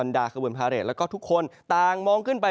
แล้วก็ทุกคนต่างมองขึ้นไป